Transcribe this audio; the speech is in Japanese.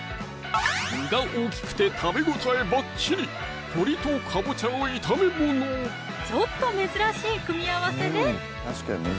具が大きくて食べ応えバッチリちょっと珍しい組み合わせね